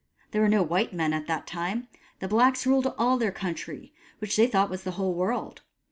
There were no white men, at that time : the blacks ruled all their country, which they thought was the whole world.